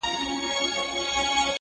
لا په اورونو کي تازه پاته ده.!